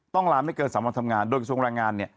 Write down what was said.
ต้องลาไม่เกิน๓วันทำงานโดยกับทรงรายงาน